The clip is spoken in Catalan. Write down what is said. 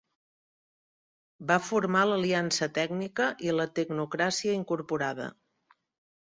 Va formar l'Aliança Tècnica i la Tecnocràcia Incorporada.